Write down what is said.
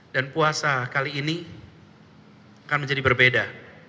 dan puasa kali ini akan menjadi berbeda